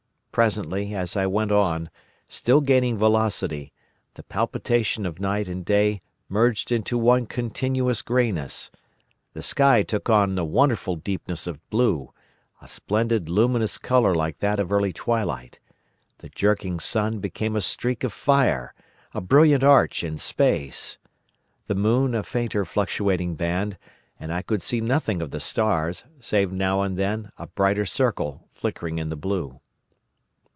Presently, as I went on, still gaining velocity, the palpitation of night and day merged into one continuous greyness; the sky took on a wonderful deepness of blue, a splendid luminous colour like that of early twilight; the jerking sun became a streak of fire, a brilliant arch, in space; the moon a fainter fluctuating band; and I could see nothing of the stars, save now and then a brighter circle flickering in the blue.